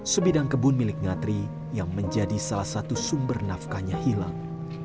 sebidang kebun milik ngatri yang menjadi salah satu sumber nafkahnya hilang